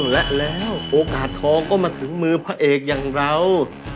และแล้วโอกาศทองก็มาถึงมือพระเอกที่เหมือนเรา